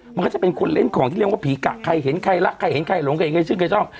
มันก็จะเป็นคนเล่นของที่เรียกว่าผีกะใครเห็นใครรักใครเห็นใครหลงใครเห็นใครชื่นใครชอบ